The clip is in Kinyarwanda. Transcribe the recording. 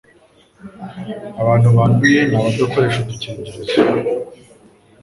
Abantu banduye nabadakoresha udukingirizo